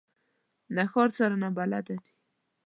له ښار سره نابلده دي.